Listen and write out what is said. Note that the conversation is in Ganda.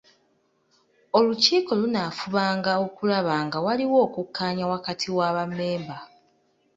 Olukiiko lunaafubanga okulaba nga waliwo okukkaanya wakati wa bammemba.